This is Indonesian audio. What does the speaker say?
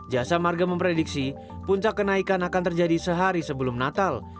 jasa marga memprediksi puncak kenaikan akan terjadi sehari sebelum natal